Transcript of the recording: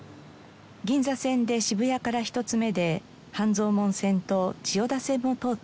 銀座線で渋谷から１つ目で半蔵門線と千代田線も通っています。